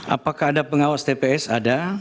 apakah ada pengawas tps ada